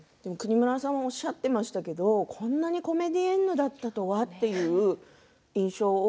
國村さんがおっしゃっていましたけどこんなコメディエンヌだった？という印象が。